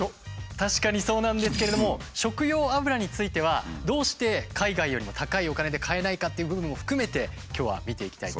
確かにそうなんですけれども食用油についてはどうして海外よりも高いお金で買えないかっていう部分も含めて今日は見ていきたいと。